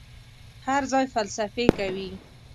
هر ځای فلسفې کوي.